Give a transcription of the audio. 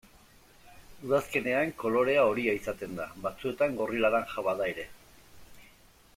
Udazkenean kolorea horia izaten da, batzuetan gorri-laranja bada ere.